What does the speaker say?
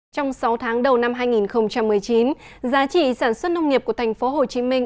trong sáu tháng đầu năm hai nghìn một mươi chín giá trị sản xuất nông nghiệp của thành phố hồ chí minh